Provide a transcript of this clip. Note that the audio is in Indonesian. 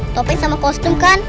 topeng sama kostum kan